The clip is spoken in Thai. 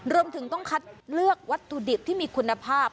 รวมถึงต้องคัดเลือกวัตถุดิบที่มีคุณภาพ